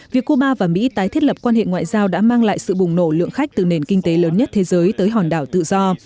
việc cuba và mỹ tái thiết lập quan hệ ngoại giao đã mang lại sự bùng nổ lượng khách từ nền kinh tế lớn nhất thế giới tới hòn đảo tự do